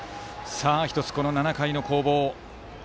１つ、この７回の攻防。